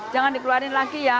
jangan dikeluarin lagi ya